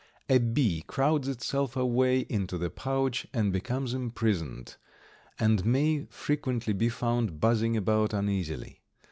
A bee crowds itself away into the pouch and becomes imprisoned, and may frequently be found buzzing about uneasily.